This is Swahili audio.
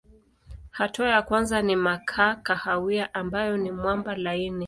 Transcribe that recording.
Hatua ya kwanza ni makaa kahawia ambayo ni mwamba laini.